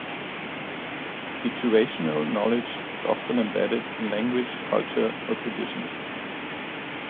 Situational knowledge is often embedded in language, culture, or traditions.